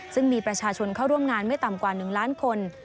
ซึ่งมีประชาชนเข้าร่วมงานไม่ต่ำกว่า๑ล้านคน